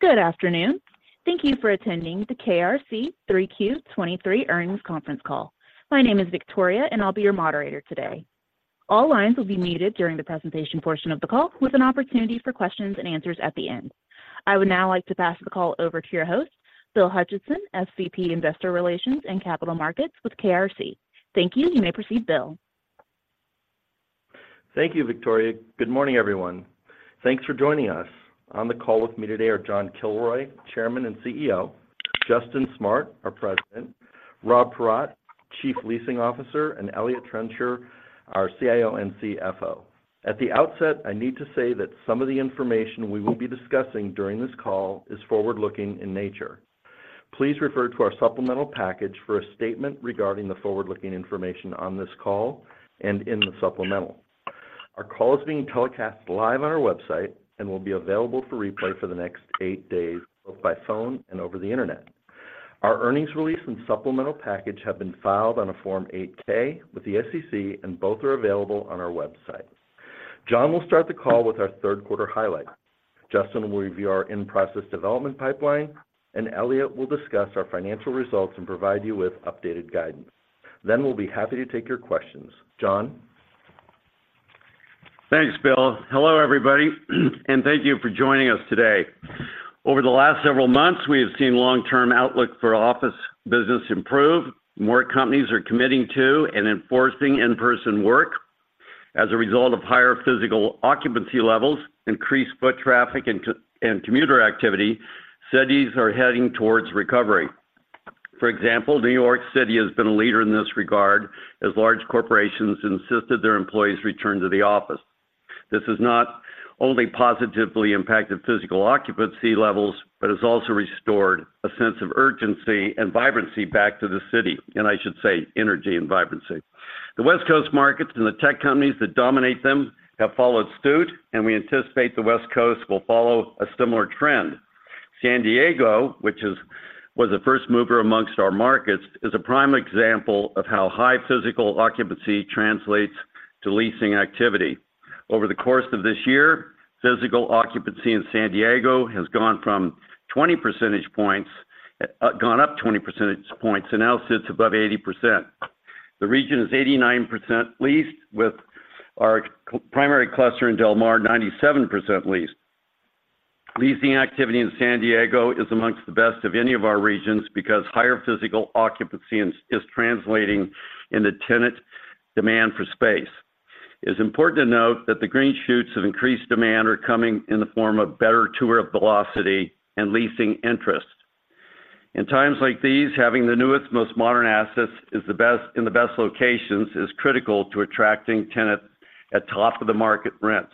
Good afternoon. Thank you for attending the KRC 3Q 2023 Earnings Conference Call. My name is Victoria, and I'll be your moderator today. All lines will be muted during the presentation portion of the call, with an opportunity for questions and answers at the end. I would now like to pass the call over to your host, Bill Hutcheson, SVP, Investor Relations and Capital Markets with KRC. Thank you. You may proceed, Bill. Thank you, Victoria. Good morning, everyone. Thanks for joining us. On the call with me today are John Kilroy, Chairman and CEO; Justin Smart, our President; Rob Paratte, Chief Leasing Officer; and Eliott Trencher, our CIO and CFO. At the outset, I need to say that some of the information we will be discussing during this call is forward-looking in nature. Please refer to our supplemental package for a statement regarding the forward-looking information on this call and in the supplemental. Our call is being telecast live on our website and will be available for replay for the next eight days, both by phone and over the internet. Our earnings release and supplemental package have been filed on a Form 8-K with the SEC, and both are available on our website. John will start the call with our third quarter highlight. Justin will review our in-process development pipeline, and Elliot will discuss our financial results and provide you with updated guidance. We'll be happy to take your questions. John? Thanks, Bill. Hello, everybody, and thank you for joining us today. Over the last several months, we have seen long-term outlook for office business improve. More companies are committing to and enforcing in-person work. As a result of higher physical occupancy levels, increased foot traffic, and commuter activity, cities are heading toward recovery. For example, New York City has been a leader in this regard, as large corporations insisted their employees return to the office. This has not only positively impacted physical occupancy levels, but has also restored a sense of urgency and vibrancy back to the city, and I should say, energy and vibrancy. The West Coast markets and the tech companies that dominate them have followed suit, and we anticipate the West Coast will follow a similar trend. San Diego, which was the first mover amongst our markets, is a prime example of how high physical occupancy translates to leasing activity. Over the course of this year, physical occupancy in San Diego has gone up 20 percentage points and now sits above 80%. The region is 89% leased, with our primary cluster in Del Mar, 97% leased. Leasing activity in San Diego is amongst the best of any of our regions because higher physical occupancy is translating into tenant demand for space. It's important to note that the green shoots of increased demand are coming in the form of better tour velocity and leasing interest. In times like these, having the newest, most modern assets in the best locations is critical to attracting tenants at top of the market rents.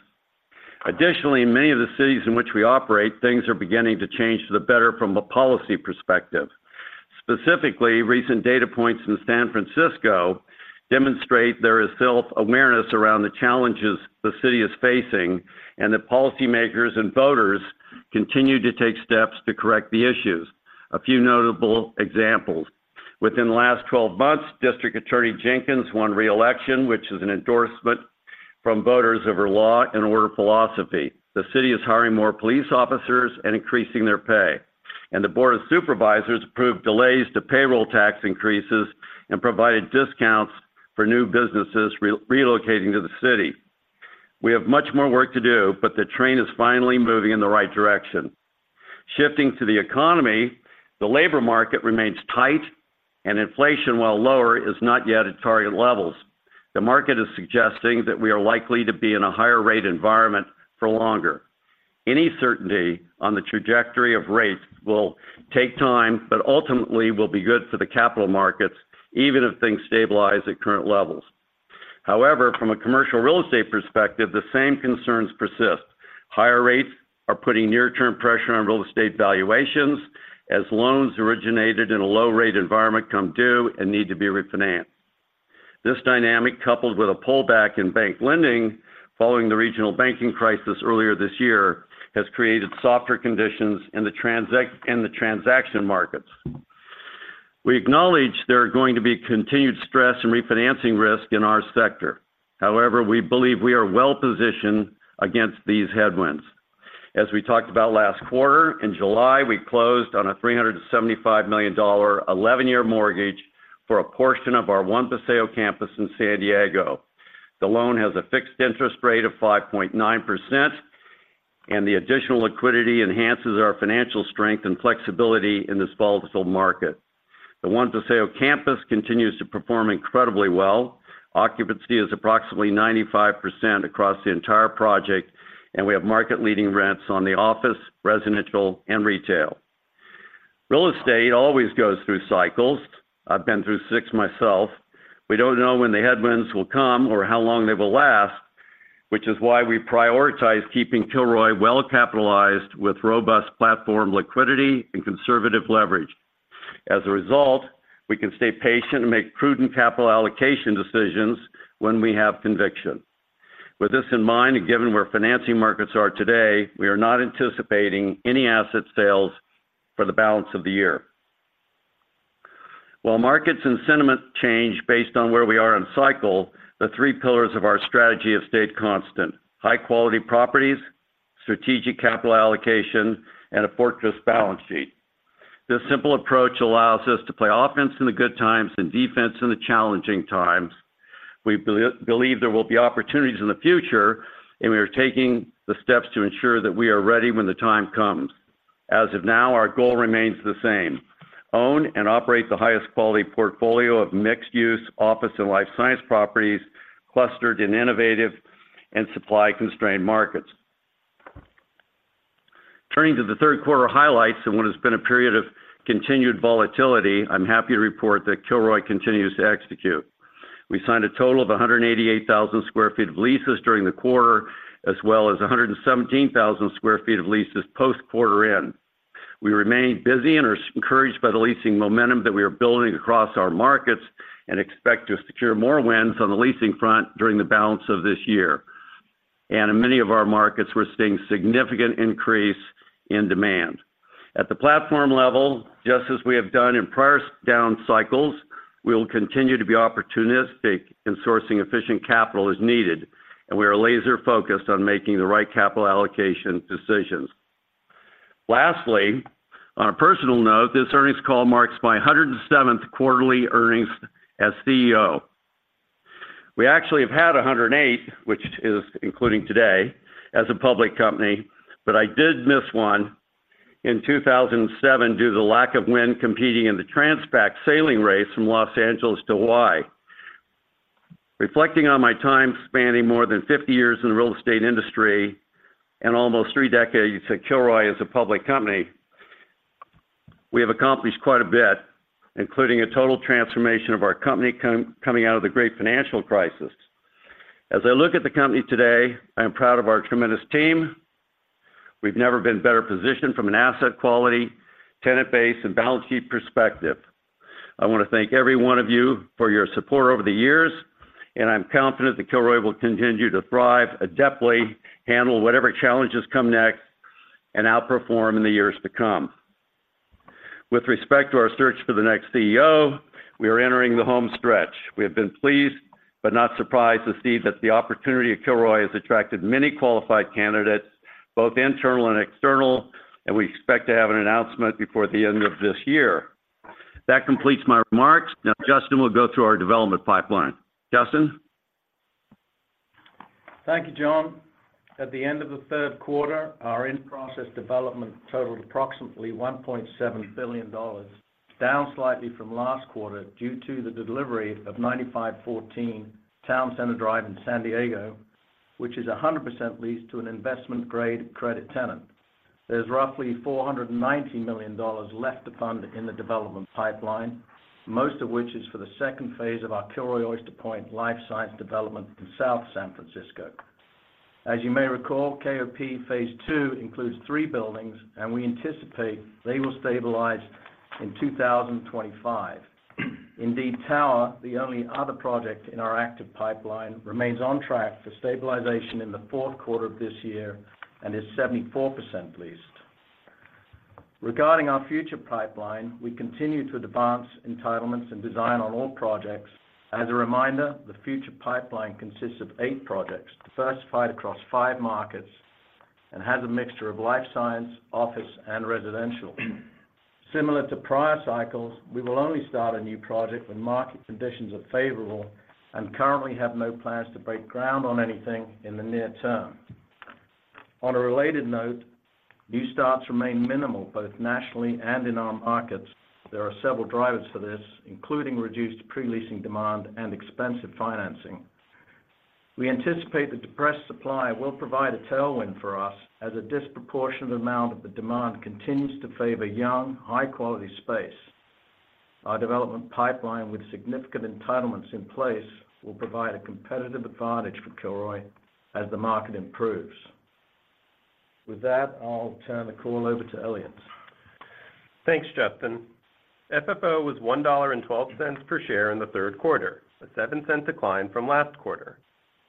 Additionally, in many of the cities in which we operate, things are beginning to change to the better from a policy perspective. Specifically, recent data points in San Francisco demonstrate there is self-awareness around the challenges the city is facing, and that policymakers and voters continue to take steps to correct the issues. A few notable examples: within the last 12 months, District Attorney Jenkins won re-election, which is an endorsement from voters of her law and order philosophy. The city is hiring more police officers and increasing their pay, and the Board of Supervisors approved delays to payroll tax increases and provided discounts for new businesses relocating to the city. We have much more work to do, but the train is finally moving in the right direction. Shifting to the economy, the labor market remains tight, and inflation, while lower, is not yet at target levels. The market is suggesting that we are likely to be in a higher rate environment for longer. Any certainty on the trajectory of rates will take time, but ultimately will be good for the capital markets, even if things stabilize at current levels. However, from a commercial real estate perspective, the same concerns persist. Higher rates are putting near-term pressure on real estate valuations as loans originated in a low-rate environment come due and need to be refinanced. This dynamic, coupled with a pullback in bank lending following the regional banking crisis earlier this year, has created softer conditions in the transaction markets. We acknowledge there are going to be continued stress and refinancing risk in our sector. However, we believe we are well positioned against these headwinds. As we talked about last quarter, in July, we closed on a $375 million, 11-year mortgage for a portion of our One Paseo Campus in San Diego. The loan has a fixed interest rate of 5.9%, and the additional liquidity enhances our financial strength and flexibility in this volatile market. The One Paseo Campus continues to perform incredibly well. Occupancy is approximately 95% across the entire project, and we have market-leading rents on the office, residential, and retail. Real estate always goes through cycles. I've been through six myself. We don't know when the headwinds will come or how long they will last, which is why we prioritize keeping Kilroy well-capitalized with robust platform liquidity and conservative leverage. As a result, we can stay patient and make prudent capital allocation decisions when we have conviction. With this in mind, and given where financing markets are today, we are not anticipating any asset sales for the balance of the year. While markets and sentiment change based on where we are in cycle, the three pillars of our strategy have stayed constant: high-quality properties, strategic capital allocation, and a fortress balance sheet. This simple approach allows us to play offense in the good times and defense in the challenging times. We believe there will be opportunities in the future, and we are taking the steps to ensure that we are ready when the time comes. As of now, our goal remains the same: own and operate the highest quality portfolio of mixed-use office and life science properties, clustered in innovative and supply-constrained markets. Turning to the third quarter highlights, and what has been a period of continued volatility, I'm happy to report that Kilroy continues to execute. We signed a total of 188,000 sq ft of leases during the quarter, as well as 117,000 sq ft of leases post-quarter end. We remain busy and are encouraged by the leasing momentum that we are building across our markets, and expect to secure more wins on the leasing front during the balance of this year. In many of our markets, we're seeing significant increase in demand. At the platform level, just as we have done in prior down cycles, we will continue to be opportunistic in sourcing efficient capital as needed, and we are laser-focused on making the right capital allocation decisions. Lastly, on a personal note, this earnings call marks my 107th quarterly earnings as CEO. We actually have had 108, which is including today, as a public company, but I did miss one in 2007 due to the lack of wind competing in the Transpac Sailing Race from Los Angeles to Hawaii. Reflecting on my time spanning more than 50 years in the real estate industry and almost three decades at Kilroy as a public company, we have accomplished quite a bit, including a total transformation of our company coming out of the great financial crisis. As I look at the company today, I am proud of our tremendous team. We've never been better positioned from an asset quality, tenant base, and balance sheet perspective. I want to thank every one of you for your support over the years, and I'm confident that Kilroy will continue to thrive, adeptly, handle whatever challenges come next, and outperform in the years to come. With respect to our search for the next CEO, we are entering the home stretch. We have been pleased, but not surprised, to see that the opportunity at Kilroy has attracted many qualified candidates, both internal and external, and we expect to have an announcement before the end of this year. That completes my remarks. Now, Justin will go through our development pipeline. Justin? Thank you, John. At the end of the third quarter, our in-process development totaled approximately $1.7 billion, down slightly from last quarter due to the delivery of 9514 Town Center Drive in San Diego, which is 100% leased to an investment-grade credit tenant. There's roughly $490 million left to fund in the development pipeline, most of which is for the second phase of our Kilroy Oyster Point life science development in South San Francisco. As you may recall, KOP Phase 2 includes three buildings, and we anticipate they will stabilize in 2025. Indeed Tower, the only other project in our active pipeline, remains on track for stabilization in the fourth quarter of this year and is 74% leased. Regarding our future pipeline, we continue to advance entitlements and design on all projects. As a reminder, the future pipeline consists of eight projects, diversified across five markets and has a mixture of life science, office, and residential. Similar to prior cycles, we will only start a new project when market conditions are favorable, and currently have no plans to break ground on anything in the near term. On a related note, new starts remain minimal, both nationally and in our markets. There are several drivers for this, including reduced pre-leasing demand and expensive financing. We anticipate the depressed supply will provide a tailwind for us, as a disproportionate amount of the demand continues to favor young, high-quality space. Our development pipeline, with significant entitlements in place, will provide a competitive advantage for Kilroy as the market improves. With that, I'll turn the call over to Elliot. Thanks, Justin. FFO was $1.12 per share in the third quarter, a 7-cent decline from last quarter.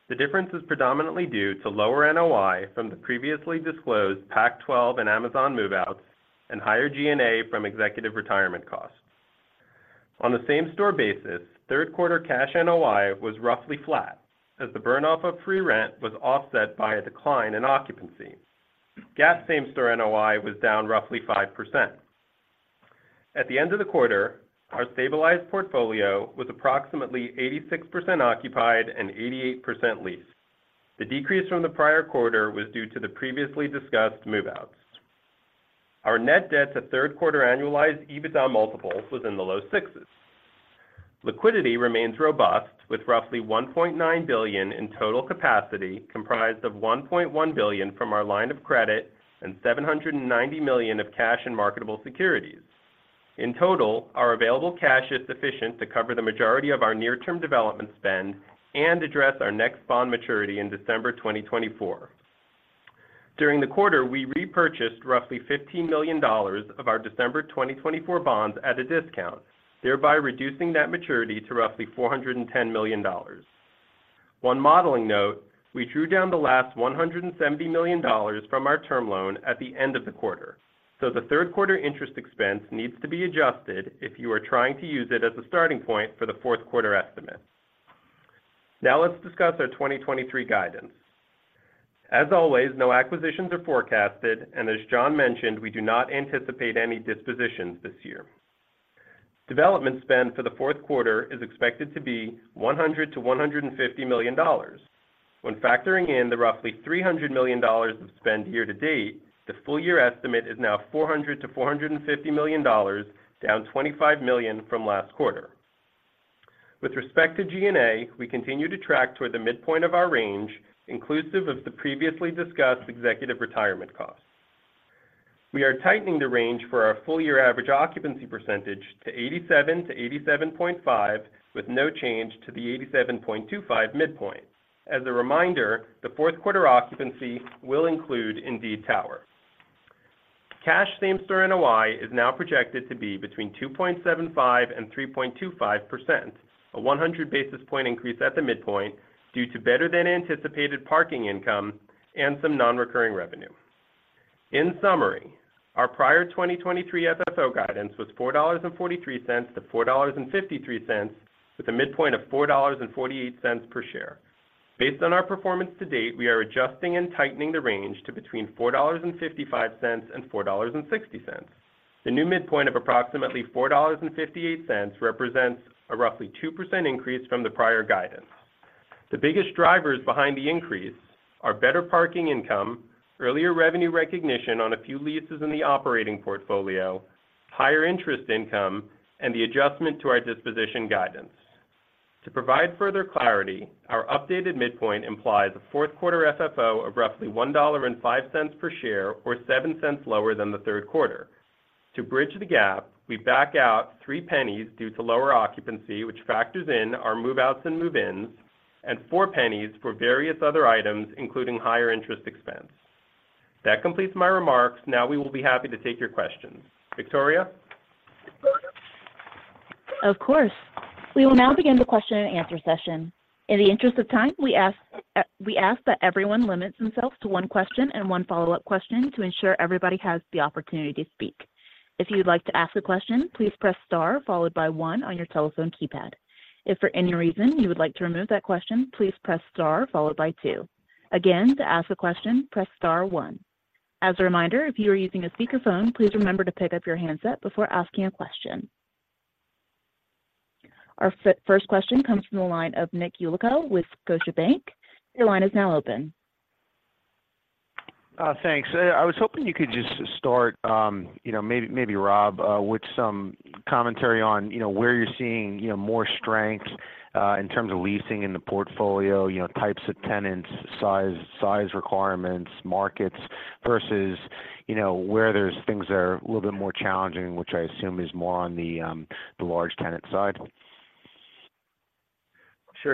The difference is predominantly due to lower NOI from the previously disclosed Pac-12 and Amazon move-outs, and higher G&A from executive retirement costs. On the same-store basis, third quarter cash NOI was roughly flat, as the burn-off of free rent was offset by a decline in occupancy. GAAP same-store NOI was down roughly 5%. At the end of the quarter, our stabilized portfolio was approximately 86% occupied and 88% leased. The decrease from the prior quarter was due to the previously discussed move-outs. Our net debt to third quarter annualized EBITDA multiples was in the low 6s. Liquidity remains robust, with roughly $1.9 billion in total capacity, comprised of $1.1 billion from our line of credit and $790 million of cash and marketable securities. In total, our available cash is sufficient to cover the majority of our near-term development spend and address our next bond maturity in December 2024. During the quarter, we repurchased roughly $15 million of our December 2024 bonds at a discount, thereby reducing that maturity to roughly $410 million. One modeling note, we drew down the last $170 million from our term loan at the end of the quarter. So the third quarter interest expense needs to be adjusted if you are trying to use it as a starting point for the fourth quarter estimate. Now let's discuss our 2023 guidance. As always, no acquisitions are forecasted, and as John mentioned, we do not anticipate any dispositions this year. Development spend for the fourth quarter is expected to be $100 million-$150 million. When factoring in the roughly $300 million of spend year to date, the full year estimate is now $400 million-$450 million, down $25 million from last quarter. With respect to G&A, we continue to track toward the midpoint of our range, inclusive of the previously discussed executive retirement costs. We are tightening the range for our full year average occupancy percentage to 87%-87.5%, with no change to the 87.25 midpoint. As a reminder, the fourth quarter occupancy will include Indeed Tower. Cash same store NOI is now projected to be between 2.75% and 3.25%, a 100 basis point increase at the midpoint, due to better than anticipated parking income and some non-recurring revenue. In summary, our prior 2023 FFO guidance was $4.43-$4.53, with a midpoint of $4.48 per share. Based on our performance to date, we are adjusting and tightening the range to between $4.55 and $4.60. The new midpoint of approximately $4.58 represents a roughly 2% increase from the prior guidance. The biggest drivers behind the increase are better parking income, earlier revenue recognition on a few leases in the operating portfolio, higher interest income, and the adjustment to our disposition guidance. To provide further clarity, our updated midpoint implies a fourth quarter FFO of roughly $1.05 per share, or $0.07 lower than the third quarter. To bridge the gap, we back out $0.03 due to lower occupancy, which factors in our move-outs and move-ins, and $0.04 for various other items, including higher interest expense. That completes my remarks. Now we will be happy to take your questions. Victoria? Of course. We will now begin the question and answer session. In the interest of time, we ask, we ask that everyone limits themselves to one question and one follow-up question to ensure everybody has the opportunity to speak. If you'd like to ask a question, please press star, followed by one on your telephone keypad. If for any reason you would like to remove that question, please press star followed by two. Again, to ask a question, press star one. As a reminder, if you are using a speakerphone, please remember to pick up your handset before asking a question. Our first question comes from the line of Nick Yulico with Scotiabank. Your line is now open. Thanks. I was hoping you could just start, you know, maybe, maybe Rob, with some commentary on, you know, where you're seeing, you know, more strength in terms of leasing in the portfolio, you know, types of tenants, size, size requirements, markets, versus, you know, where there's things that are a little bit more challenging, which I assume is more on the large tenant side. Sure,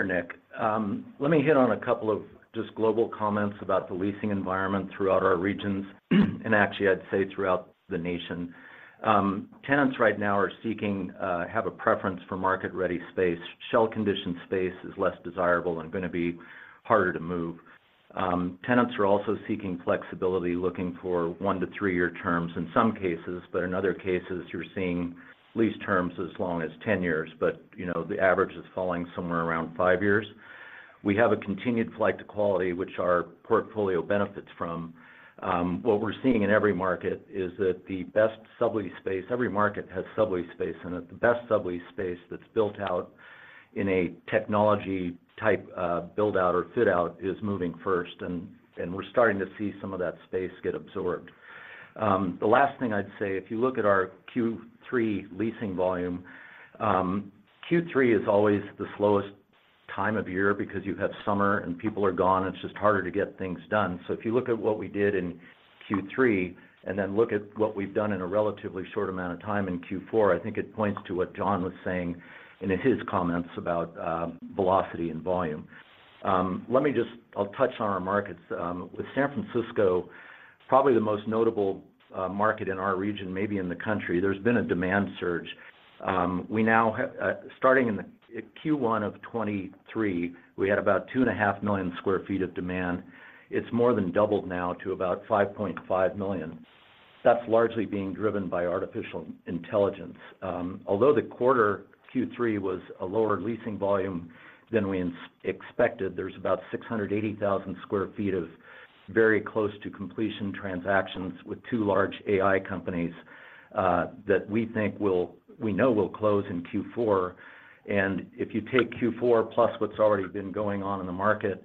Nick. Let me hit on a couple of just global comments about the leasing environment throughout our regions, and actually, I'd say throughout the nation. Tenants right now are seeking, have a preference for market-ready space. Shell condition space is less desirable and going to be harder to move. Tenants are also seeking flexibility, looking for one- to three-year terms in some cases, but in other cases, you're seeing lease terms as long as 10 years, but, you know, the average is falling somewhere around five years. We have a continued flight to quality, which our portfolio benefits from. What we're seeing in every market is that the best sublease space, every market has sublease space in it. The best sublease space that's built out in a technology type build out or fit out is moving first, and we're starting to see some of that space get absorbed. The last thing I'd say, if you look at our Q3 leasing volume, Q3 is always the slowest time of year because you have summer and people are gone, it's just harder to get things done. So if you look at what we did in Q3, and then look at what we've done in a relatively short amount of time in Q4, I think it points to what John was saying in his comments about velocity and volume. Let me just... I'll touch on our markets. With San Francisco, probably the most notable market in our region, maybe in the country, there's been a demand surge. We now have, starting in Q1 of 2023, we had about 2.5 million sq ft of demand. It's more than doubled now to about 5.5 million. That's largely being driven by artificial intelligence. Although the quarter, Q3, was a lower leasing volume than we expected, there's about 680,000 sq ft of very close to completion transactions with two large AI companies that we think will—we know will—close in Q4. If you take Q4 plus what's already been going on in the market,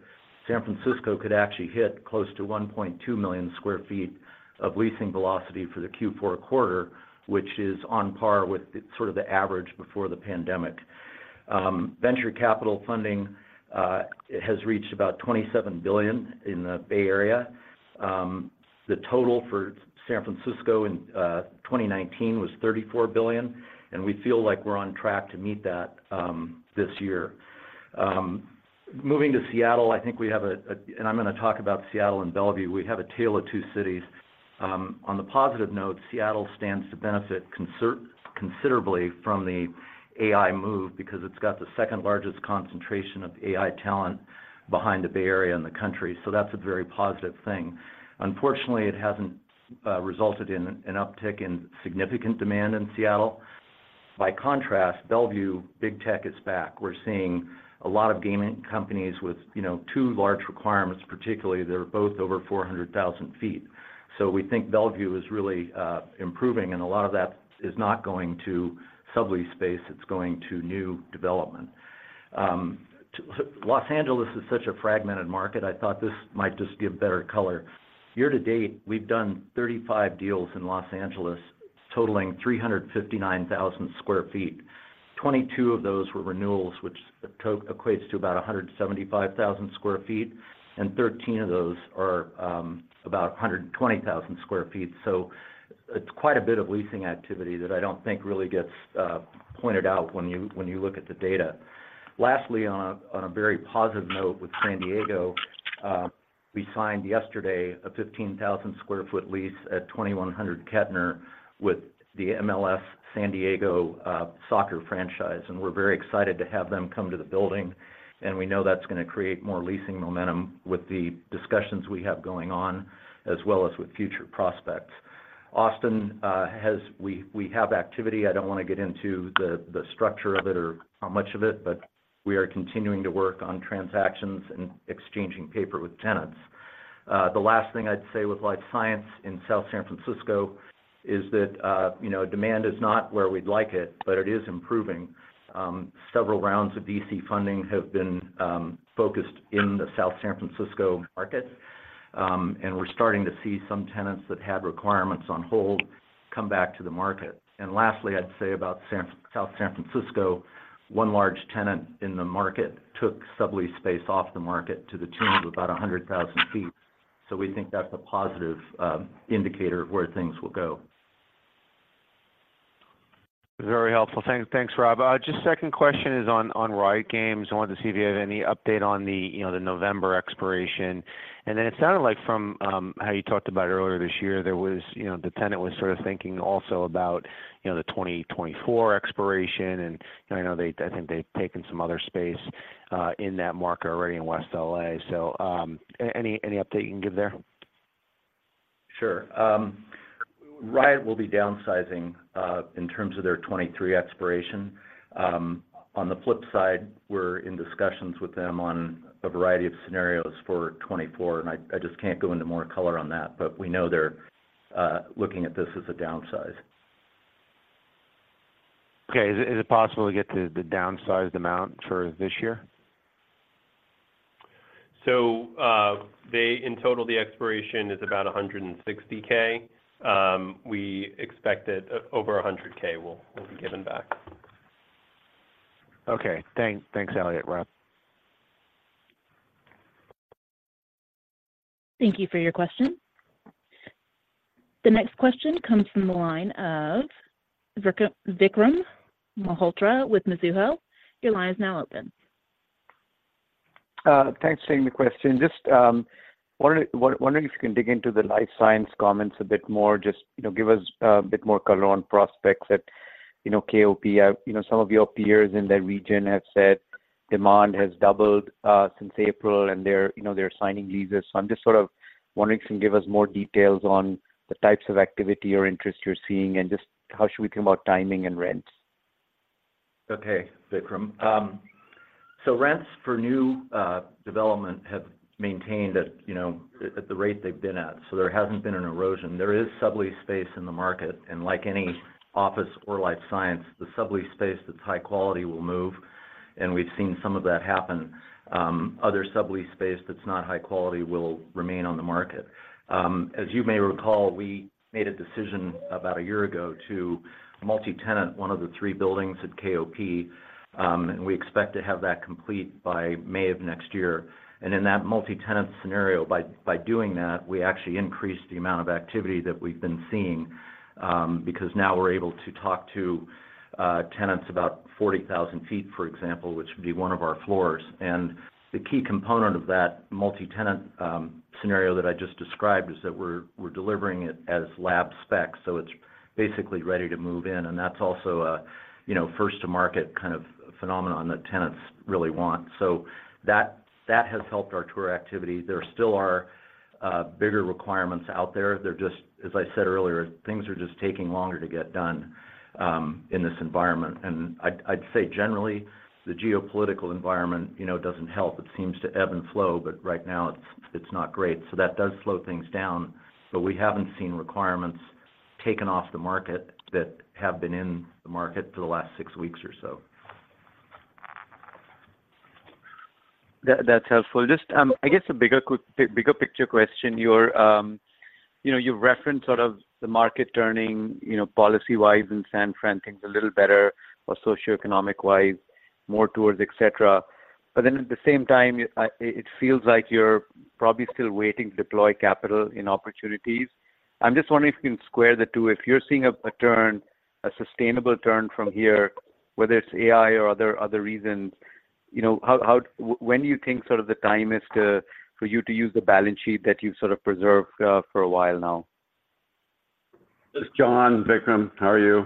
San Francisco could actually hit close to 1.2 million sq ft of leasing velocity for the Q4 quarter, which is on par with sort of the average before the pandemic. Venture capital funding has reached about $27 billion in the Bay Area. The total for San Francisco in 2019 was $34 billion, and we feel like we're on track to meet that this year. Moving to Seattle, I think we have a—and I'm going to talk about Seattle and Bellevue. We have a tale of two cities. On the positive note, Seattle stands to benefit considerably from the AI move because it's got the second-largest concentration of AI talent behind the Bay Area in the country, so that's a very positive thing. Unfortunately, it hasn't resulted in an uptick in significant demand in Seattle. By contrast, Bellevue, big tech is back. We're seeing a lot of gaming companies with, you know, two large requirements, particularly. They're both over 400,000 sq ft. So we think Bellevue is really improving, and a lot of that is not going to sublease space, it's going to new development. Los Angeles is such a fragmented market, I thought this might just give better color. Year to date, we've done 35 deals in Los Angeles, totaling 359,000 sq ft. Twenty-two of those were renewals, which equates to about 175,000 sq ft, and thirteen of those are about 120,000 sq ft. So it's quite a bit of leasing activity that I don't think really gets pointed out when you, when you look at the data. Lastly, on a very positive note with San Diego, we signed yesterday a 15,000-square-foot lease at 2100 Kettner with the MLS San Diego soccer franchise, and we're very excited to have them come to the building, and we know that's gonna create more leasing momentum with the discussions we have going on, as well as with future prospects. Austin has. We have activity. I don't wanna get into the structure of it or how much of it, but we are continuing to work on transactions and exchanging paper with tenants. The last thing I'd say with life science in South San Francisco is that, you know, demand is not where we'd like it, but it is improving. Several rounds of VC funding have been focused in the South San Francisco market, and we're starting to see some tenants that had requirements on hold come back to the market. Lastly, I'd say about South San Francisco, one large tenant in the market took sublease space off the market to the tune of about 100,000 sq ft. So we think that's a positive indicator of where things will go. Very helpful. Thanks, Rob. Just second question is on Riot Games. I wanted to see if you had any update on the, you know, the November expiration. And then it sounded like from how you talked about earlier this year, there was, you know, the tenant was sort of thinking also about, you know, the 2024 expiration, and I know they—I think they've taken some other space in that market already in West L.A. So, any update you can give there? Sure. Riot will be downsizing in terms of their 2023 expiration. On the flip side, we're in discussions with them on a variety of scenarios for 2024, and I, I just can't go into more color on that, but we know they're looking at this as a downsize. Okay. Is it possible to get the downsized amount for this year? So, in total, the expiration is about 160K. We expect that over 100K will be given back. Okay. Thanks, Elliot, Rob. Thank you for your question. The next question comes from the line of Vikram Malhotra with Mizuho. Your line is now open. Thanks for taking the question. Just, wondering if you can dig into the life science comments a bit more, just, you know, give us a bit more color on prospects at, you know, KOP. You know, some of your peers in that region have said demand has doubled since April, and they're, you know, they're signing leases. So I'm just sort of wondering if you can give us more details on the types of activity or interest you're seeing, and just how should we think about timing and rents? Okay, Vikram. Rents for new development have maintained at the rate they've been at, so there hasn't been an erosion. There is sublease space in the market, and like any office or life science, the sublease space that's high quality will move, and we've seen some of that happen. Other sublease space that's not high quality will remain on the market. As you may recall, we made a decision about a year ago to multi-tenant one of the three buildings at KOP, and we expect to have that complete by May of next year. In that multi-tenant scenario, by doing that, we actually increased the amount of activity that we've been seeing, because now we're able to talk to tenants about 40,000 sq ft, for example, which would be one of our floors. And the key component of that multi-tenant scenario that I just described is that we're delivering it as lab specs, so it's basically ready to move in, and that's also a, you know, first to market kind of phenomenon that tenants really want. So that has helped our tour activity. There still are bigger requirements out there. They're just, as I said earlier, things are just taking longer to get done in this environment. And I'd say, generally, the geopolitical environment, you know, doesn't help. It seems to ebb and flow, but right now it's not great, so that does slow things down, but we haven't seen requirements taken off the market that have been in the market for the last six weeks or so. That, that's helpful. Just, I guess a bigger picture question: You know, you've referenced sort of the market turning, you know, policy-wise in San Fran things a little better or socioeconomic-wise, more tours, et cetera, but then at the same time, it feels like you're probably still waiting to deploy capital in opportunities. I'm just wondering if you can square the two. If you're seeing a turn, a sustainable turn from here, whether it's AI or other reasons- you know, how when do you think sort of the time is to for you to use the balance sheet that you've sort of preserved for a while now? This is John, Vikram. How are you?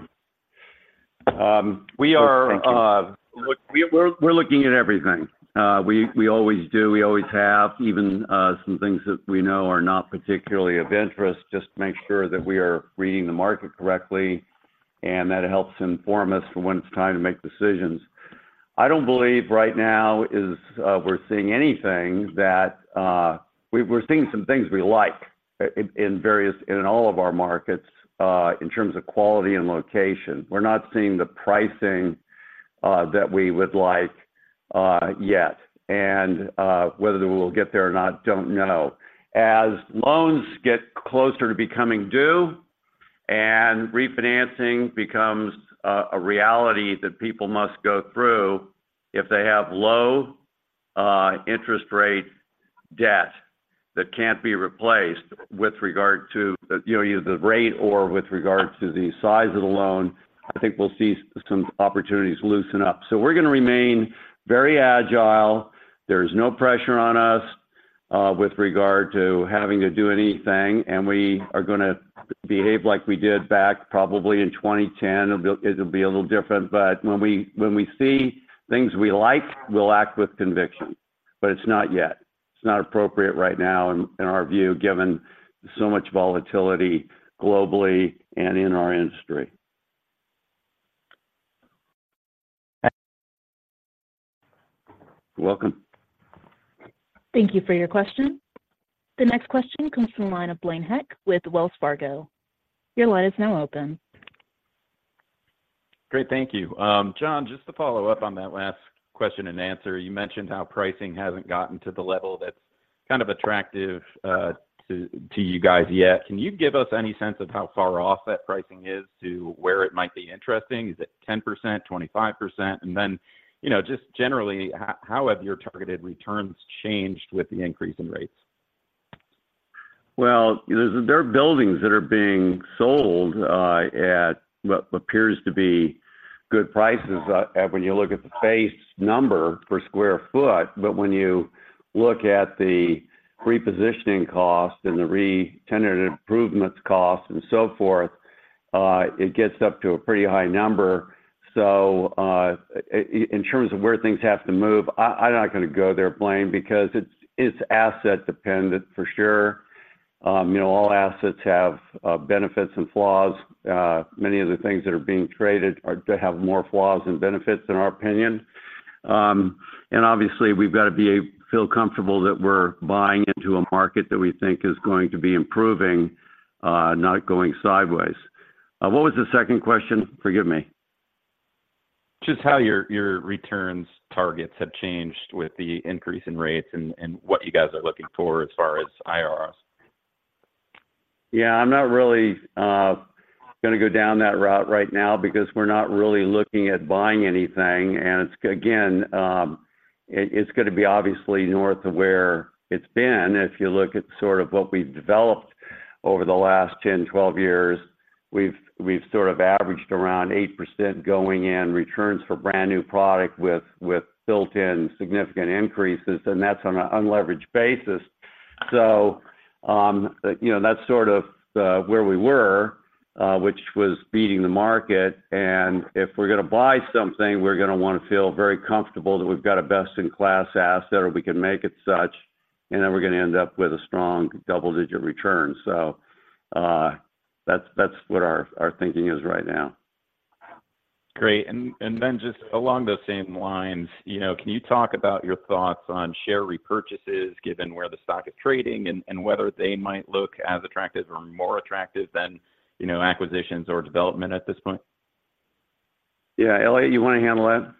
We are- Thank you. We're looking at everything. We always do, we always have, even some things that we know are not particularly of interest, just to make sure that we are reading the market correctly, and that helps inform us for when it's time to make decisions. I don't believe right now is. We're seeing anything that we're seeing some things we like in all of our markets, in terms of quality and location. We're not seeing the pricing that we would like yet. Whether we will get there or not, don't know. As loans get closer to becoming due, and refinancing becomes a reality that people must go through, if they have low interest rate debt that can't be replaced with regard to, you know, either the rate or with regard to the size of the loan, I think we'll see some opportunities loosen up. So we're going to remain very agile. There's no pressure on us with regard to having to do anything, and we are going to behave like we did back probably in 2010. It'll be, it'll be a little different, but when we, when we see things we like, we'll act with conviction, but it's not yet. It's not appropriate right now in our view, given so much volatility globally and in our industry. You're welcome. Thank you for your question. The next question comes from the line of Blaine Heck with Wells Fargo. Your line is now open. Great, thank you. John, just to follow up on that last question and answer, you mentioned how pricing hasn't gotten to the level that's kind of attractive, to, to you guys yet. Can you give us any sense of how far off that pricing is to where it might be interesting? Is it 10%, 25%? And then, you know, just generally, how, how have your targeted returns changed with the increase in rates? Well, there, there are buildings that are being sold at what appears to be good prices, when you look at the face number per square foot, but when you look at the repositioning cost and the re-tenant improvements cost and so forth, it gets up to a pretty high number. So, in terms of where things have to move, I'm not going to go there, Blaine, because it's asset dependent for sure. You know, all assets have benefits and flaws. Many of the things that are being traded are to have more flaws than benefits, in our opinion. And obviously, we've got to feel comfortable that we're buying into a market that we think is going to be improving, not going sideways. What was the second question? Forgive me. Just how your returns targets have changed with the increase in rates and what you guys are looking for as far as IRRs? Yeah, I'm not really going to go down that route right now because we're not really looking at buying anything. And it's again, it's going to be obviously north of where it's been. If you look at sort of what we've developed over the last 10, 12 years, we've sort of averaged around 8% going in returns for brand-new product with built-in significant increases, and that's on an unleveraged basis. So, you know, that's sort of where we were, which was beating the market. And if we're going to buy something, we're going to want to feel very comfortable that we've got a best-in-class asset, or we can make it such, and then we're going to end up with a strong double-digit return. So, that's what our thinking is right now. Great. Then just along those same lines, you know, can you talk about your thoughts on share repurchases, given where the stock is trading, and whether they might look as attractive or more attractive than, you know, acquisitions or development at this point? Yeah. Elliot, you want to handle that?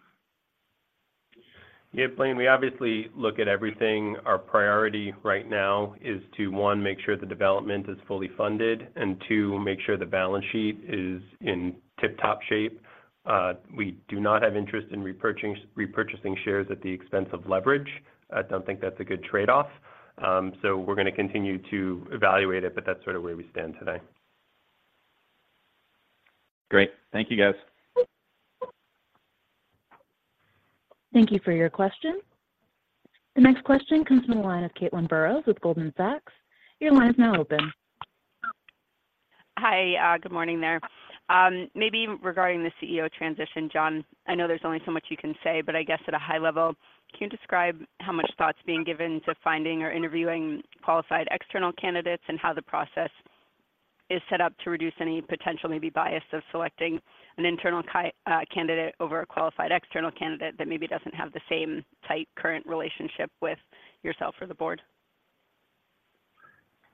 Yeah, Blaine, we obviously look at everything. Our priority right now is to, one, make sure the development is fully funded, and two, make sure the balance sheet is in tip-top shape. We do not have interest in repurchasing shares at the expense of leverage. I don't think that's a good trade-off. So we're going to continue to evaluate it, but that's sort of where we stand today. Great. Thank you, guys. Thank you for your question. The next question comes from the line of Caitlin Burrows with Goldman Sachs. Your line is now open. Hi, good morning there. Maybe regarding the CEO transition, John, I know there's only so much you can say, but I guess at a high level, can you describe how much thought is being given to finding or interviewing qualified external candidates, and how the process is set up to reduce any potential, maybe bias of selecting an internal candidate over a qualified external candidate that maybe doesn't have the same tight current relationship with yourself or the board?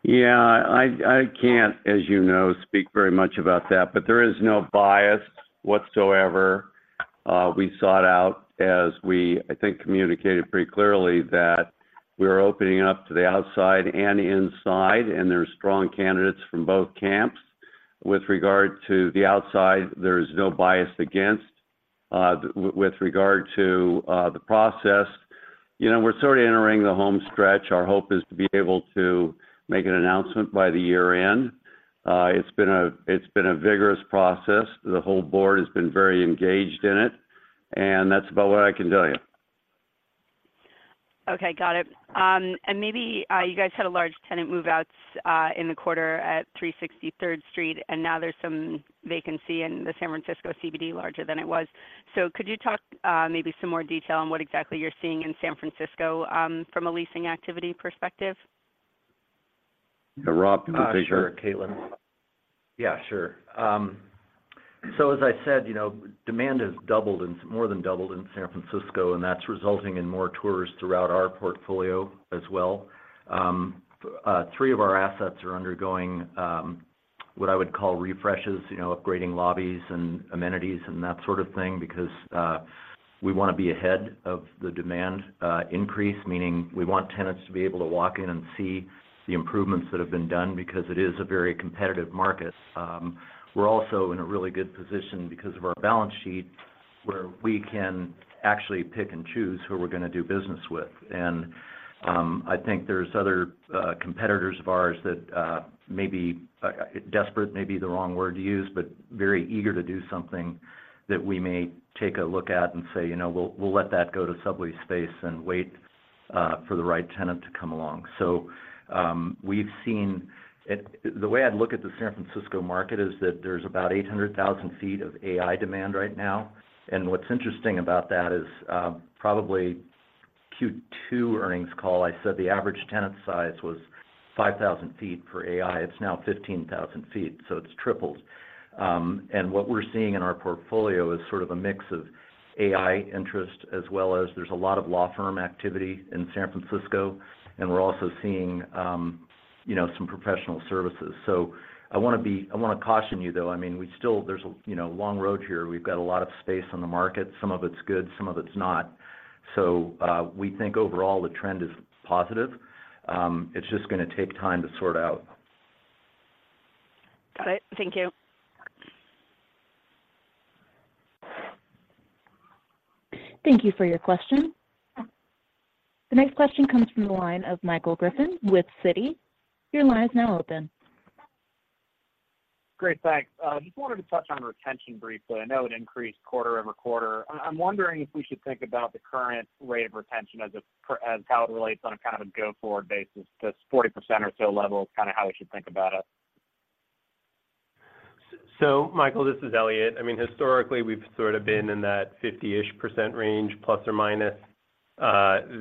Yeah, I can't, as you know, speak very much about that, but there is no bias whatsoever. We sought out, as we, I think, communicated pretty clearly, that we are opening up to the outside and inside, and there are strong candidates from both camps. With regard to the outside, there is no bias against. With regard to the process. You know, we're sort of entering the home stretch. Our hope is to be able to make an announcement by the year end. It's been a vigorous process. The whole board has been very engaged in it, and that's about what I can tell you. Okay, got it. And maybe you guys had a large tenant move outs in the quarter at 360 Third Street, and now there's some vacancy in the San Francisco CBD, larger than it was. So could you talk maybe some more detail on what exactly you're seeing in San Francisco from a leasing activity perspective? Yeah, Rob, could you take- Ah, sure, Caitlin. Yeah, sure. So as I said, you know, demand has more than doubled in San Francisco, and that's resulting in more tours throughout our portfolio as well. Three of our assets are undergoing what I would call refreshes, you know, upgrading lobbies and amenities and that sort of thing, because we wanna be ahead of the demand increase. Meaning, we want tenants to be able to walk in and see the improvements that have been done because it is a very competitive market. We're also in a really good position because of our balance sheet, where we can actually pick and choose who we're gonna do business with. I think there's other competitors of ours that maybe desperate may be the wrong word to use, but very eager to do something that we may take a look at and say, "You know, we'll, we'll let that go to sublease space and wait for the right tenant to come along." So, we've seen it. The way I'd look at the San Francisco market is that there's about 800,000 sq ft of AI demand right now. What's interesting about that is, probably Q2 earnings call, I said the average tenant size was 5,000 sq ft for AI. It's now 15,000 sq ft, so it's tripled. And what we're seeing in our portfolio is sort of a mix of AI interest, as well as there's a lot of law firm activity in San Francisco, and we're also seeing, you know, some professional services. So I wanna caution you, though, I mean, we still there's a, you know, long road here. We've got a lot of space on the market. Some of it's good, some of it's not. So, we think overall the trend is positive. It's just gonna take time to sort out. Got it. Thank you. Thank you for your question. The next question comes from the line of Michael Griffin with Citi. Your line is now open. Great, thanks. Just wanted to touch on retention briefly. I know it increased quarter-over-quarter. I'm wondering if we should think about the current rate of retention as how it relates on a kind of a go-forward basis, this 40% or so level, kind of how we should think about it. So Michael, this is Elliot. I mean, historically, we've sort of been in that 50-ish% range, ±.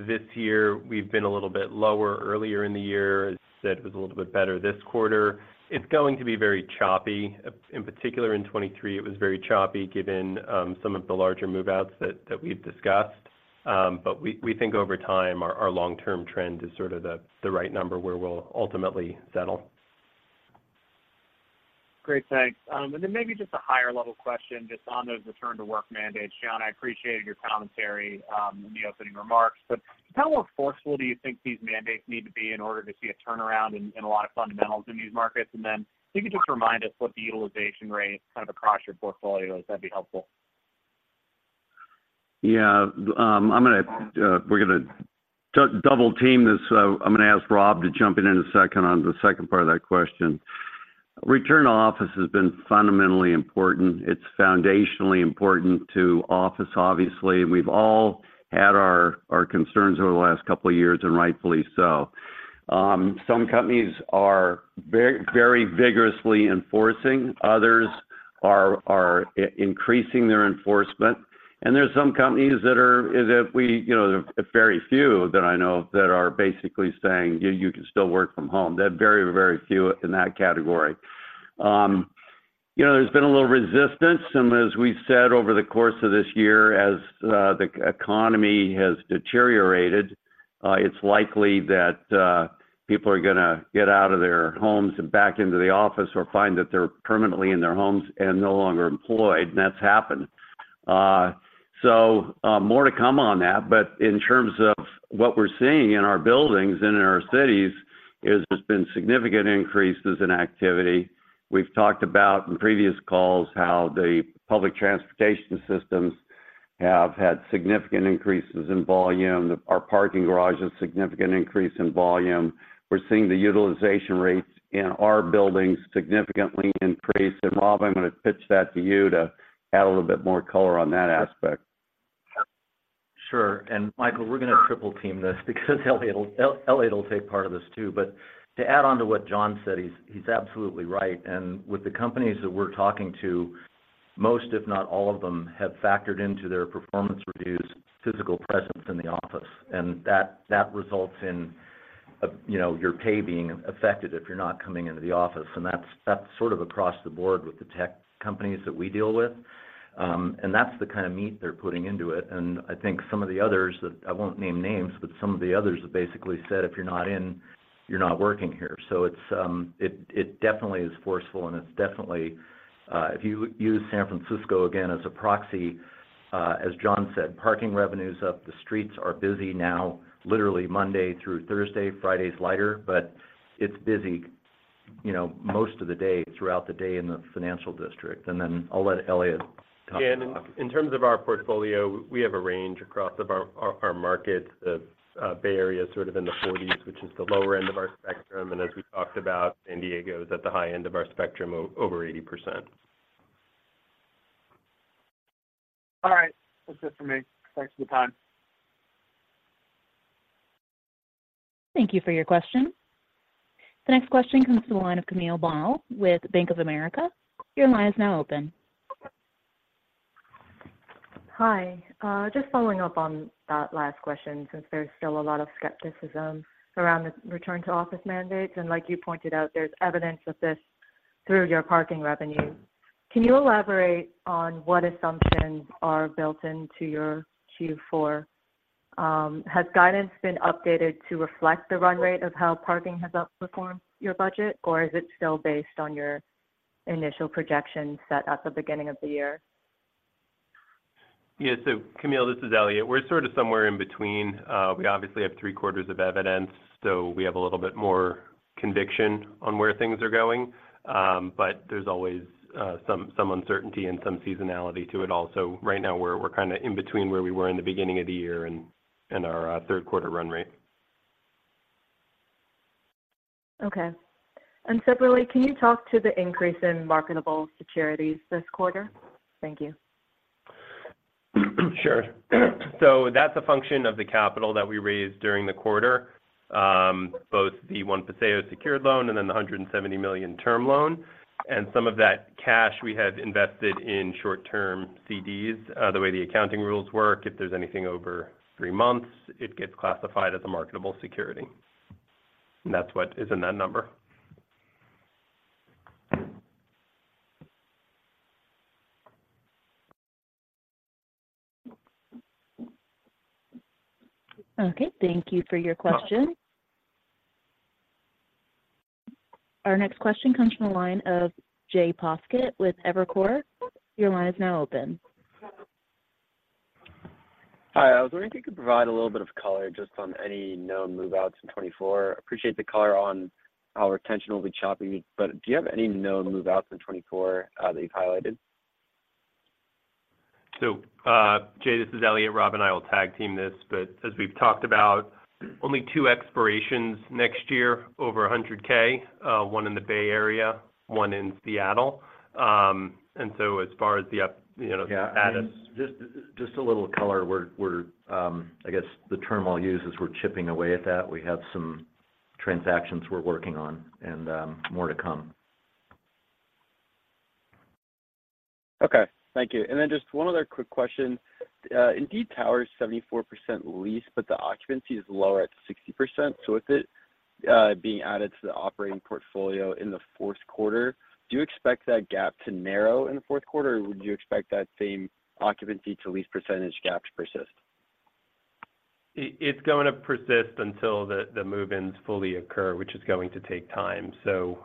This year, we've been a little bit lower earlier in the year. As I said, it was a little bit better this quarter. It's going to be very choppy. In particular, in 2023, it was very choppy, given some of the larger move-outs that we've discussed. But we think over time, our long-term trend is sort of the right number, where we'll ultimately settle. Great, thanks. And then maybe just a higher level question, just on those return-to-work mandates. John, I appreciate your commentary in the opening remarks, but how more forceful do you think these mandates need to be in order to see a turnaround in a lot of fundamentals in these markets? And then, if you could just remind us what the utilization rate kind of across your portfolio is, that'd be helpful. Yeah, I'm gonna... We're gonna double-team this, so I'm gonna ask Rob to jump in in a second on the second part of that question. Return to office has been fundamentally important. It's foundationally important to office, obviously. We've all had our, our concerns over the last couple of years, and rightfully so. Some companies are very, very vigorously enforcing. Others are, are increasing their enforcement. And there are some companies that are, as if we... You know, there very few that I know of, that are basically saying, "You, you can still work from home." There are very, very few in that category. You know, there's been a little resistance, and as we've said over the course of this year, as the economy has deteriorated, it's likely that people are gonna get out of their homes and back into the office or find that they're permanently in their homes and no longer employed, and that's happened. So, more to come on that, but in terms of what we're seeing in our buildings and in our cities, is there's been significant increases in activity. We've talked about in previous calls how the public transportation systems have had significant increases in volume. Our parking garage is significant increase in volume. We're seeing the utilization rates in our buildings significantly increased. And Rob, I'm gonna pitch that to you to add a little bit more color on that aspect. Sure. Michael, we're gonna triple team this because Elliot, Elliot will take part of this too. To add on to what John said, he's absolutely right. With the companies that we're talking to, most, if not all of them, have factored into their performance reviews physical presence in the office. That results in, you know, your pay being affected if you're not coming into the office, and that's sort of across the board with the tech companies that we deal with. That's the kind of meat they're putting into it. And I think some of the others that, I won't name names, but some of the others have basically said, "If you're not in, you're not working here." So it's, it definitely is forceful, and it's definitely, if you use San Francisco again as a proxy, as John said, parking revenues up, the streets are busy now, literally Monday through Thursday. Friday's lighter, but it's busy... you know, most of the day, throughout the day in the Financial District, and then I'll let Elliot talk about- In terms of our portfolio, we have a range across our markets. The Bay Area is sort of in the 40s, which is the lower end of our spectrum. As we talked about, San Diego is at the high end of our spectrum, over 80%. All right. That's it for me. Thanks for the time. Thank you for your question. The next question comes from the line of Camille Bonnell with Bank of America. Your line is now open. Hi. Just following up on that last question, since there's still a lot of skepticism around the return to office mandates, and like you pointed out, there's evidence of this through your parking revenue. Can you elaborate on what assumptions are built into your Q4? Has guidance been updated to reflect the run rate of how parking has outperformed your budget, or is it still based on your initial projections set at the beginning of the year? Yeah. So, Camille, this is Elliot. We're sort of somewhere in between. We obviously have three quarters of evidence, so we have a little bit more conviction on where things are going. But there's always some uncertainty and some seasonality to it all. So right now, we're kind of in between where we were in the beginning of the year and our third quarter run rate. Okay. Separately, can you talk to the increase in marketable securities this quarter? Thank you. Sure. So that's a function of the capital that we raised during the quarter, both the One Paseo secured loan and then the $170 million term loan. And some of that cash we have invested in short-term CDs. The way the accounting rules work, if there's anything over three months, it gets classified as a marketable security, and that's what is in that number. Okay, thank you for your question. Our next question comes from the line of Jay Poskitt with Evercore. Your line is now open. Hi. I was wondering if you could provide a little bit of color just on any known move-outs in 2024. Appreciate the color on how retention will be choppy, but do you have any known move-outs in 2024 that you've highlighted? So, Jay, this is Elliot. Rob and I will tag team this, but as we've talked about, only 2 expirations next year, over 100K, 1 in the Bay Area, 1 in Seattle. And so as far as the up, you know, added- Yeah, just a little color. We're, I guess the term I'll use is we're chipping away at that. We have some transactions we're working on and more to come. Okay, thank you. And then just one other quick question. Indeed Tower is 74% leased, but the occupancy is lower at 60%. So with it being added to the operating portfolio in the fourth quarter, do you expect that gap to narrow in the fourth quarter, or would you expect that same occupancy to lease percentage gap to persist? It's going to persist until the move-ins fully occur, which is going to take time. So,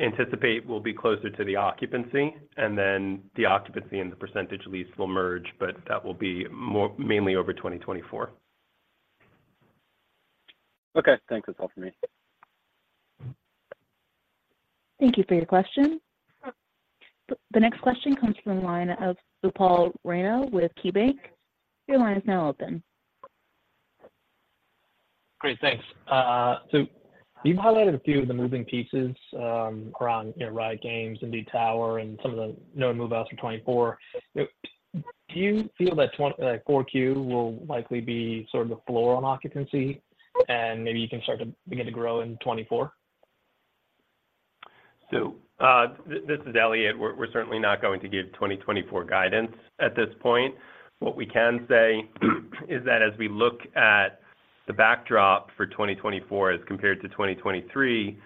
anticipate we'll be closer to the occupancy, and then the occupancy and the percentage lease will merge, but that will be more, mainly over 2024. Okay, thanks. That's all for me. Thank you for your question. The next question comes from the line of Upal Rana with KeyBanc. Your line is now open. Great. Thanks. So you've highlighted a few of the moving pieces around, you know, Riot Games, Indeed Tower, and some of the known move-outs for 2024. Do you feel that 4Q will likely be sort of the floor on occupancy, and maybe you can start to begin to grow in 2024? This is Elliot. We're certainly not going to give 2024 guidance at this point. What we can say is that as we look at the backdrop for 2024 as compared to 2023,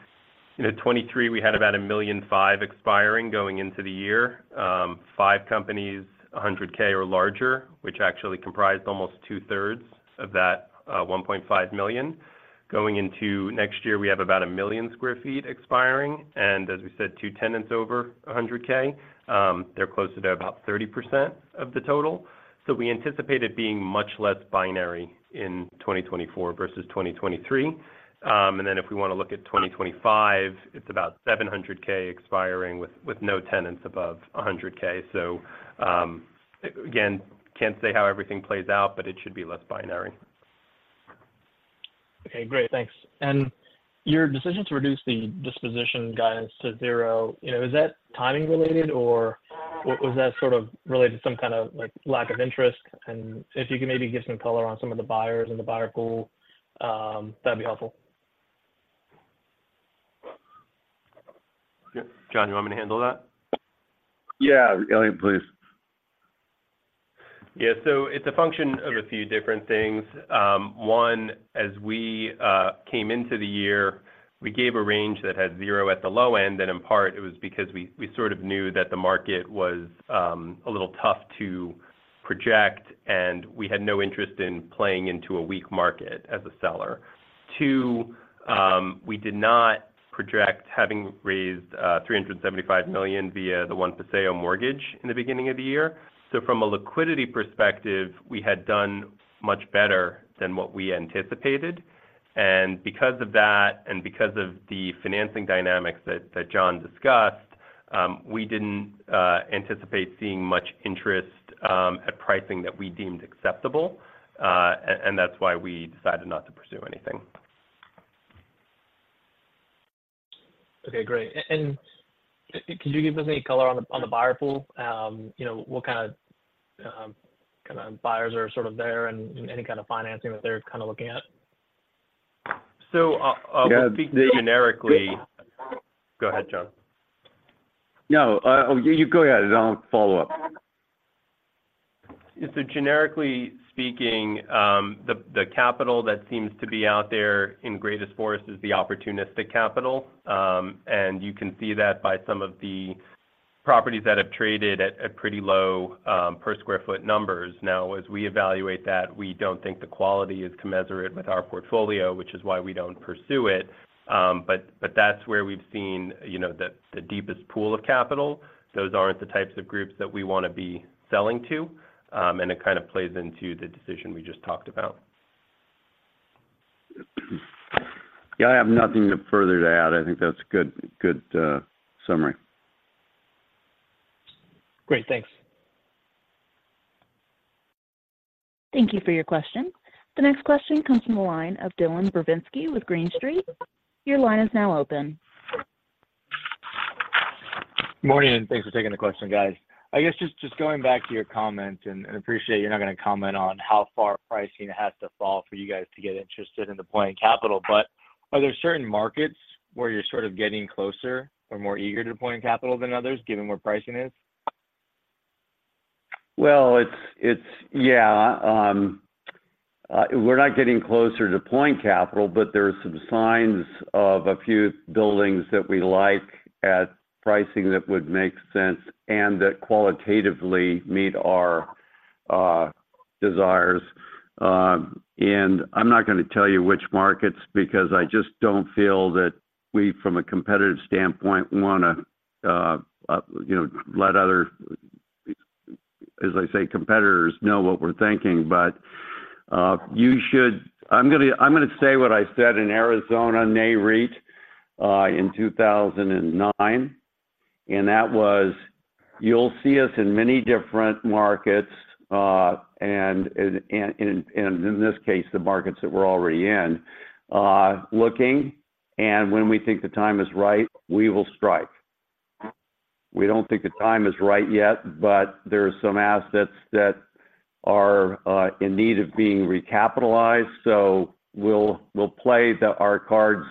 you know, 2023, we had about 1.5 million sq ft expiring going into the year, five companies, 100K or larger, which actually comprised almost two-thirds of that, 1.5 million. Going into next year, we have about 1 million sq ft expiring, and as we said, two tenants over 100K. They're closer to about 30% of the total. So we anticipate it being much less binary in 2024 versus 2023. And then if we want to look at 2025, it's about 700K expiring with no tenants above 100K. So, again, can't say how everything plays out, but it should be less binary. Okay, great. Thanks. And your decision to reduce the disposition guidance to zero, you know, is that timing related, or was that sort of related to some kind of, like, lack of interest? And if you could maybe give some color on some of the buyers and the buyer pool, that'd be helpful. Yep. John, you want me to handle that? Yeah, Elliot, please. Yeah. So it's a function of a few different things. One, as we came into the year, we gave a range that had zero at the low end, and in part, it was because we sort of knew that the market was a little tough to project, and we had no interest in playing into a weak market as a seller. Two, we did not project having raised $375 million via the One Paseo mortgage in the beginning of the year. So from a liquidity perspective, we had done much better than what we anticipated. And because of that, and because of the financing dynamics that John discussed-... we didn't anticipate seeing much interest at pricing that we deemed acceptable. And that's why we decided not to pursue anything. Okay, great. And could you give us any color on the buyer pool? You know, what kind of buyers are sort of there, and any kind of financing that they're kind of looking at? So Yeah, the- Speaking generically... Go ahead, John. No, you go ahead. I'll follow up. Generically speaking, the capital that seems to be out there in greatest force is the opportunistic capital. You can see that by some of the properties that have traded at pretty low per sq ft numbers. Now, as we evaluate that, we don't think the quality is commensurate with our portfolio, which is why we don't pursue it. That's where we've seen the deepest pool of capital. Those aren't the types of groups that we wanna be selling to, and it kind of plays into the decision we just talked about. Yeah, I have nothing to further to add. I think that's a good, good, summary. Great. Thanks. Thank you for your question. The next question comes from the line of Dylan Burzinski with Green Street. Your line is now open. Morning, and thanks for taking the question, guys. I guess just, just going back to your comment, and, and appreciate you're not gonna comment on how far pricing has to fall for you guys to get interested in deploying capital. But are there certain markets where you're sort of getting closer or more eager to deploying capital than others, given where pricing is? Well, it's... Yeah. We're not getting closer to deploying capital, but there are some signs of a few buildings that we like at pricing that would make sense and that qualitatively meet our desires. And I'm not gonna tell you which markets, because I just don't feel that we, from a competitive standpoint, wanna, you know, let other, as I say, competitors know what we're thinking. You should-- I'm gonna, I'm gonna say what I said in Arizona NAREIT in 2009, and that was, "You'll see us in many different markets," and, and, and, and in this case, the markets that we're already in, "looking, and when we think the time is right, we will strike." We don't think the time is right yet, but there are some assets that are in need of being recapitalized, so we'll, we'll play the-- our cards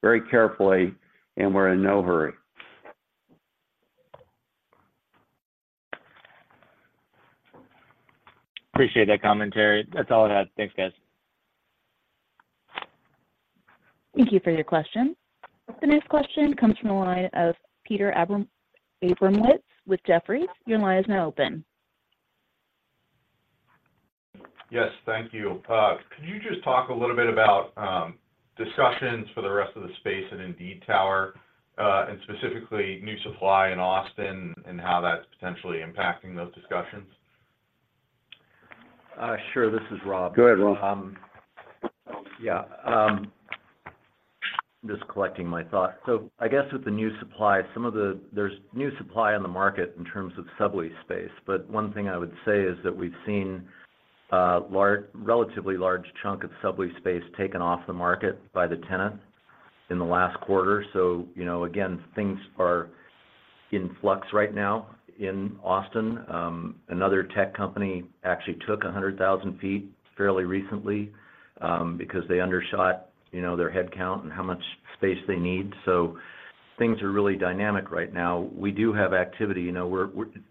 very carefully, and we're in no hurry. Appreciate that commentary. That's all I had. Thanks, guys. Thank you for your question. The next question comes from the line of Peter Abramowitz with Jefferies. Your line is now open. Yes. Thank you. Could you just talk a little bit about discussions for the rest of the space at Indeed Tower, and specifically new supply in Austin and how that's potentially impacting those discussions? Sure. This is Rob. Go ahead, Rob. Yeah. Just collecting my thoughts. So I guess with the new supply, there's new supply on the market in terms of sublease space, but one thing I would say is that we've seen a relatively large chunk of sublease space taken off the market by the tenant in the last quarter. So, you know, again, things are in flux right now in Austin. Another tech company actually took 100,000 sq ft fairly recently, because they undershot, you know, their headcount and how much space they need. So things are really dynamic right now. We do have activity. You know,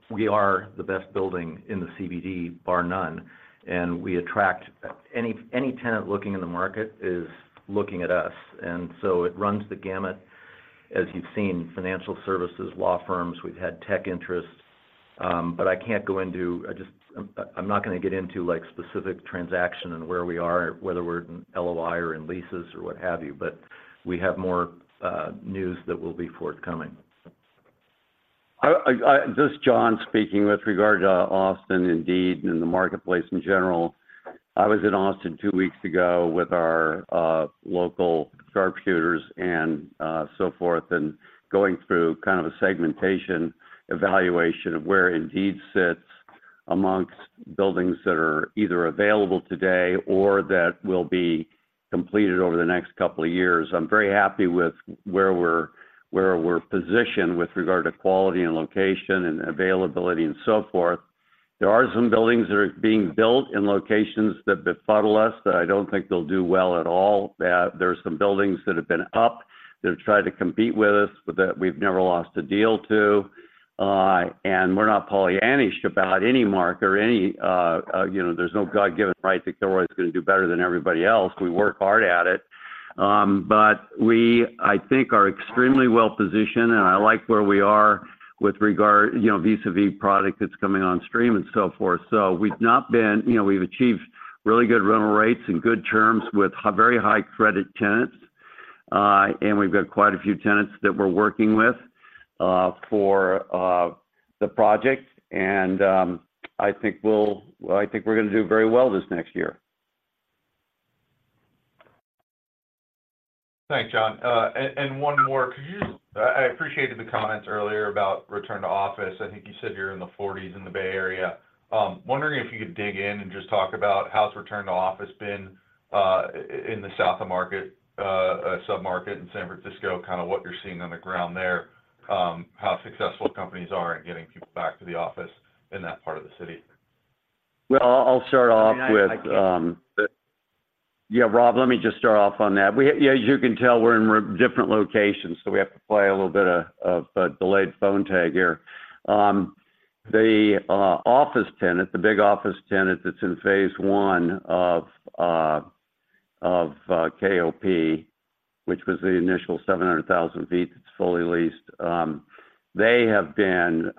we are the best building in the CBD, bar none, and we attract any tenant looking in the market is looking at us, and so it runs the gamut, as you've seen, financial services, law firms. We've had tech interests, but I can't go into—I just—I'm not gonna get into, like, specific transaction and where we are, whether we're in LOI or in leases or what have you, but we have more news that will be forthcoming. This is John speaking. With regard to Austin, Indeed, and the marketplace in general, I was in Austin two weeks ago with our local sharpshooters and so forth, and going through kind of a segmentation evaluation of where Indeed sits amongst buildings that are either available today or that will be completed over the next couple of years. I'm very happy with where we're positioned with regard to quality and location and availability and so forth. There are some buildings that are being built in locations that befuddle us, that I don't think they'll do well at all. There are some buildings that have been up, that have tried to compete with us, but that we've never lost a deal to. and we're not Pollyannish about any market or any, you know, there's no God-given right that Kilroy is gonna do better than everybody else. We work hard at it. But we, I think, are extremely well-positioned, and I like where we are with regard, you know, vis-a-vis product that's coming on stream and so forth. So we've not been, you know, we've achieved really good rental rates and good terms with very high-credit tenants. And we've got quite a few tenants that we're working with for the project, and I think we'll, well, I think we're gonna do very well this next year.... Thanks, John. And one more. Could you—I appreciated the comments earlier about return to office. I think you said you're in the forties in the Bay Area. Wondering if you could dig in and just talk about how's return to office been in the South of Market submarket in San Francisco, kind of what you're seeing on the ground there, how successful companies are in getting people back to the office in that part of the city? Well, I'll start off with, I can- Yeah, Rob, let me just start off on that. We, yeah, as you can tell, we're in different locations, so we have to play a little bit of delayed phone tag here. The office tenant, the big office tenant that's in phase one of KOP, which was the initial 700,000 sq ft that's fully leased, they have been...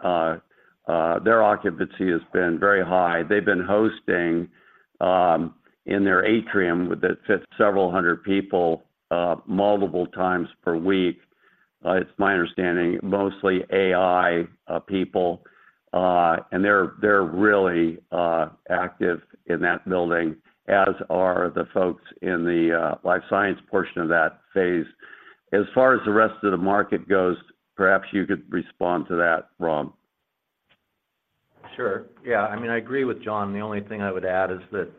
Their occupancy has been very high. They've been hosting in their atrium, that fits several hundred people, multiple times per week. It's my understanding, mostly AI people, and they're really active in that building, as are the folks in the life science portion of that phase. As far as the rest of the market goes, perhaps you could respond to that, Rob. Sure. Yeah, I mean, I agree with John. The only thing I would add is that,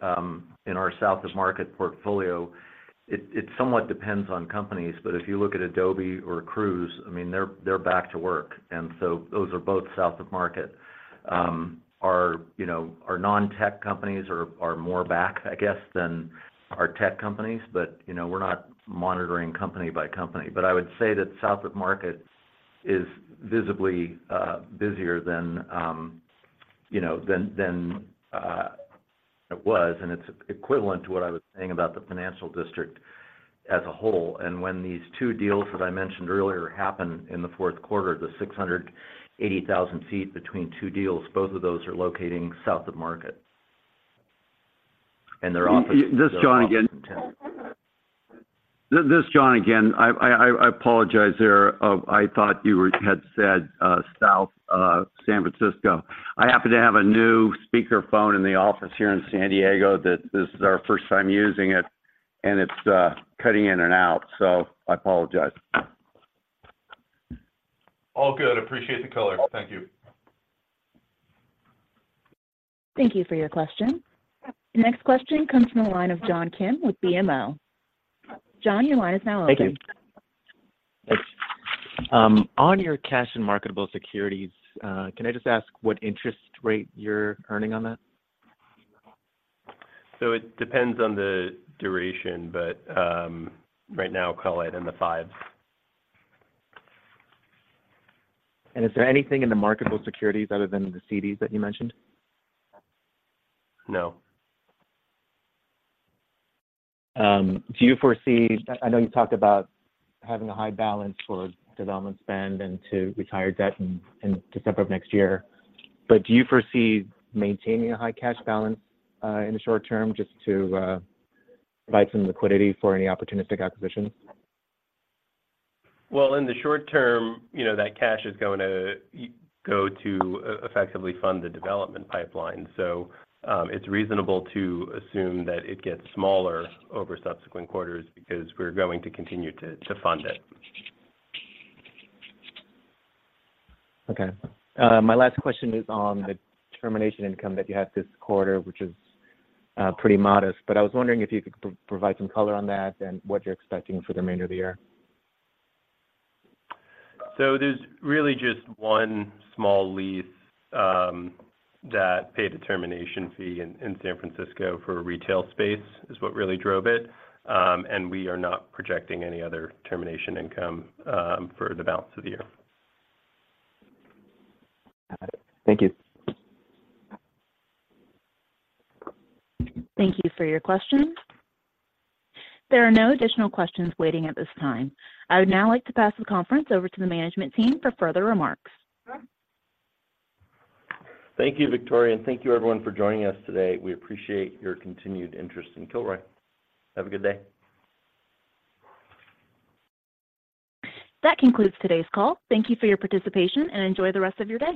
in our South of Market portfolio, it somewhat depends on companies, but if you look at Adobe or Cruise, I mean, they're back to work, and so those are both South of Market. Our non-tech companies are more back, I guess, than our tech companies, but, you know, we're not monitoring company by company. But I would say that South of Market is visibly busier than it was, and it's equivalent to what I was saying about the Financial District as a whole. And when these two deals that I mentioned earlier happened in the fourth quarter, the 680,000 sq ft between two deals, both of those are locating South of Market. And they're office- This is John again. This is John again. I apologize there. I thought you had said South San Francisco. I happen to have a new speaker phone in the office here in San Diego, that this is our first time using it, and it's cutting in and out, so I apologize. All good. Appreciate the color. Thank you. Thank you for your question. Next question comes from the line of John Kim with BMO. John, your line is now open. Thank you. On your cash and marketable securities, can I just ask what interest rate you're earning on that? So it depends on the duration, but, right now, call it in the fives. Is there anything in the marketable securities other than the CDs that you mentioned? No. Do you foresee... I know you talked about having a high balance for development spend and to retire debt in December of next year, but do you foresee maintaining a high cash balance in the short term, just to provide some liquidity for any opportunistic acquisitions? Well, in the short term, you know, that cash is going to go to, effectively fund the development pipeline. So, it's reasonable to assume that it gets smaller over subsequent quarters because we're going to continue to fund it. Okay. My last question is on the termination income that you had this quarter, which is pretty modest, but I was wondering if you could provide some color on that and what you're expecting for the remainder of the year. So there's really just one small lease that paid a termination fee in San Francisco for retail space, is what really drove it. And we are not projecting any other termination income for the balance of the year. Thank you. Thank you for your question. There are no additional questions waiting at this time. I would now like to pass the conference over to the management team for further remarks. Thank you, Victoria, and thank you everyone for joining us today. We appreciate your continued interest in Kilroy. Have a good day. That concludes today's call. Thank you for your participation, and enjoy the rest of your day.